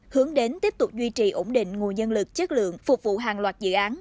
hướng đến tiếp tục duy trì ổn định nguồn dân lực chất lượng phục vụ hàng loạt dự án